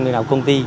nơi nào công ty